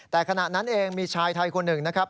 แต่ขณะนั้นเองมีชายไทยคนหนึ่งนะครับ